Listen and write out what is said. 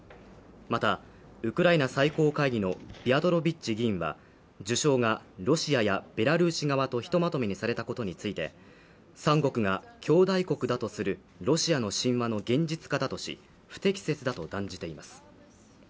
またウクライナ最高会議のビアトロビッチ議員は受賞がロシアやベラルーシ側とひとまとめにされたことについて３国が強大国だとするロシアの神話の現実がだとし不適切だと断じています